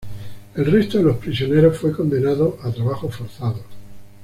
El resto de los prisioneros fue condenado a trabajos forzados.